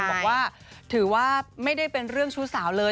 บอกว่าถือว่าไม่ได้เป็นเรื่องชู้สาวเลย